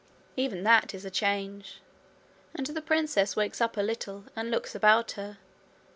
Even that is a change, and the princess wakes up a little, and looks about her.